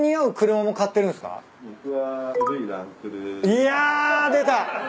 いや出た！